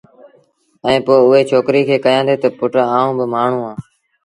ائيٚݩ پو اُئي ڇوڪري کي ڪيآݩدي تا پُٽ آئوݩ اُ مآڻهوٚٚݩ اَهآݩ